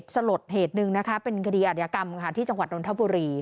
สลดเหตุหนึ่งนะคะเป็นคดีอาจยากรรมค่ะที่จังหวัดนทบุรี